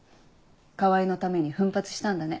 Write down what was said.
川合のために奮発したんだね。